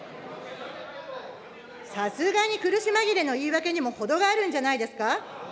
さすがに苦し紛れの言い訳にも程があるんじゃないですか。